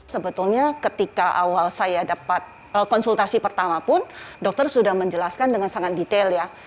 sebetulnya ketika awal saya dapat konsultasi pertama pun dokter sudah menjelaskan dengan sangat detail ya